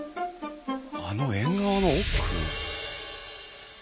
あの縁側の奥。